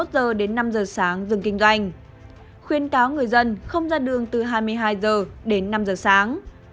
từ hai mươi một h đến năm h sáng dừng kinh doanh khuyên cáo người dân không ra đường từ hai mươi hai h đến năm h sáng